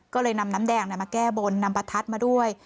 ก็เลยนำน้ำแดงมาแก้บนนำประทัดมาด้วย